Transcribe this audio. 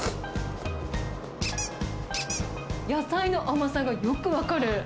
野菜の甘さがよく分かる。